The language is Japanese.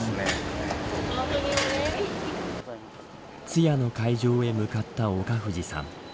通夜の会場へ向かった岡藤さん。